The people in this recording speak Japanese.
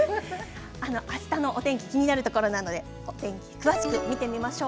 あしたの天気気になるところなので詳しく見ていきましょう。